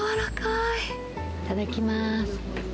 いただきます。